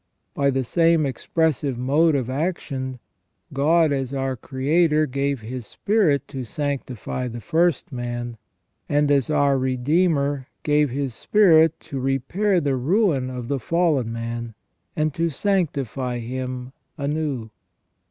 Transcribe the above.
By the same expressive mode of action, God as our Creator gave His Spirit to sanctify the first man, and as our Redeemer gave His Spirit to repair the ruin of the fallen man, and to sanctify him anew.